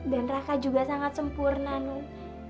dan raka juga sangat sempurna non